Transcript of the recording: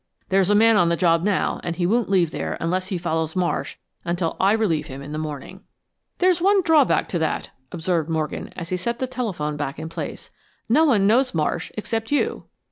There's a man on the job now and he won't leave there, unless he follows Marsh, until I relieve him in the morning." "There's one drawback to that," observed Morgan, as he set the telephone back in place. "No one knows Marsh except you."